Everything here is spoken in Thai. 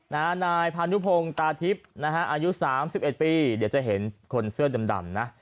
นานายพานุพงตาทิพย์นะฮะอายุ๓๑ปีเดี๋ยวจะเห็นคนเสื้อดำนะ